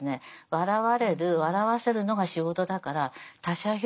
笑われる笑わせるのが仕事だから他者評価がすべて。